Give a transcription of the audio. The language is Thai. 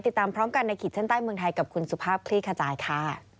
ติดตามพร้อมกันในขีดเส้นใต้เมืองไทยกับคุณสุภาพคลี่ขจายค่ะ